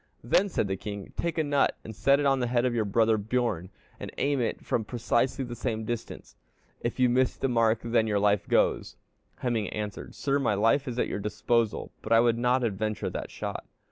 Then said the king, 'Take a nut and set it on the head of your brother Bjorn, and aim at it from precisely the same distance. If you miss the mark, then your life goes.' "Hemingr answered, 'Sire, my life is at your disposal, but I will not adventure that shot.'